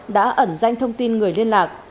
đã ẩn danh thông tin người liên lạc